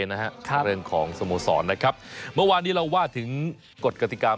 นะครับฮะเทดของสโมสรนะครับเมื่อวานี้เราว่าถึงกฎกฏการณ์